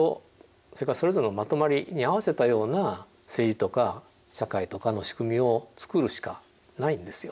それからそれぞれのまとまりに合わせたような政治とか社会とかの仕組みを作るしかないんですよ。